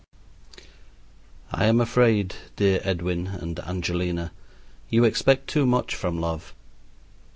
I am afraid, dear Edwin and Angelina, you expect too much from love.